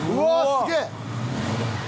すげえ！